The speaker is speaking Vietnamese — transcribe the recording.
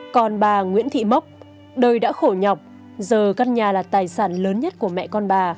còn bà nguyễn thị mốc đời đã khổ nhọc giờ căn nhà là tài sản lớn nhất của mẹ con bà